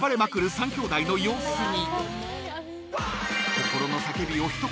３兄弟の様子に］